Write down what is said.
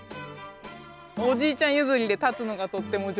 おじいちゃん譲りで立つのがとっても上手なんです。